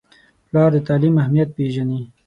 پلار د تعلیم اهمیت پیژني.